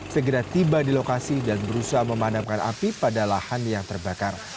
segera tiba di lokasi dan berusaha memadamkan api pada lahan yang terbakar